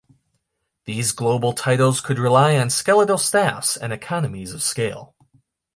These global titles could rely on skeletal staffs and economies of scale.